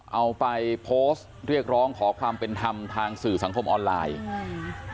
เอาไปโพสต์เรียกร้องขอความเป็นธรรมทางสื่อสังคมออนไลน์อืม